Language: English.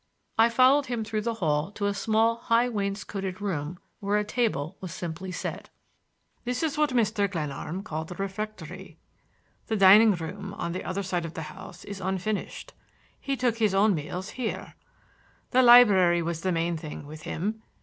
I followed him through the hall to a small high wainscoted room where a table was simply set. "This is what Mr. Glenarm called the refectory. The dining room, on the other side of the house, is unfinished. He took his own meals here. The library was the main thing with him.